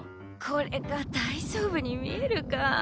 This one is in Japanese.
これが大丈夫に見えるか？